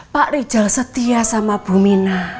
pak rijal setia sama bumina